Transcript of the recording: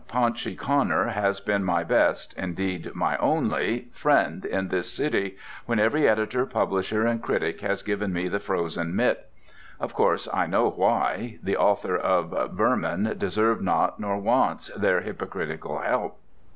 Paunchy Connor has been my best—indeed my only—friend in this city, when every editor, publisher, and critic has given me the frozen mitt. Of course I know why ... the author of 'Vermin' deserves not, nor wants, their hypocritical help.